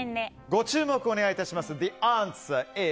ご注目お願いいたします。